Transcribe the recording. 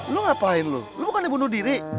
lo ngapain lo lo bukannya bunuh diri